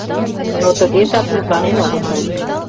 Но тыгежак мутланен огытыл.